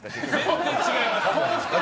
全然違います。